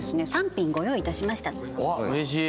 ３品ご用意いたしましたうれしい！